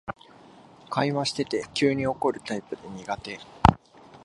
会話してて急に怒るタイプで苦手